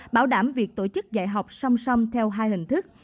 bảo đảm việc tổ chức dạy học song song theo hai hình thức